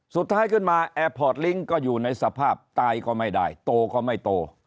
สุดท้ายขึ้นมาแอร์พอร์ตลิงค์ก็อยู่ในสภาพตายก็ไม่ได้โตก็ไม่โต